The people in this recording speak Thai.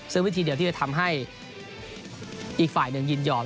ซึ่งวิธีเดียวที่จะทำให้อีกฝ่ายหนึ่งยินยอม